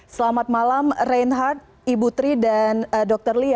selamat malam reinhard ibu tri dan dr lia